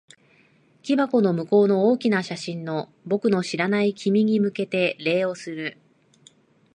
木箱の向こうの大きな写真の、僕の知らない君に向けて礼をする。